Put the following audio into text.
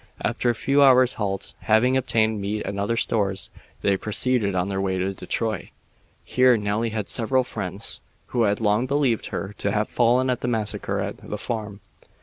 After a few hours' halt, having obtained meat and other stores, they proceeded on their way to Detroit. Here Nelly had several friends, who had long believed her to have fallen at the massacre at the farm.